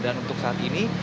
dan untuk saat ini